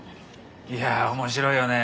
いや面白いよね。